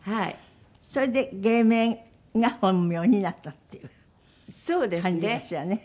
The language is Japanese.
それで芸名が本名になったっていう感じかしらね？